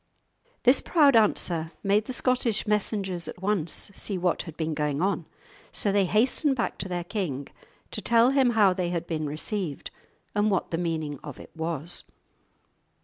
This proud answer made the Scottish messengers at once see what had been going on. So they hastened back to their king to tell him how they had been received and what the meaning of it was.